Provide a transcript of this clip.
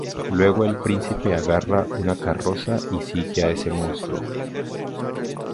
Luego el príncipe agarra una carroza y sigue a ese monstruo.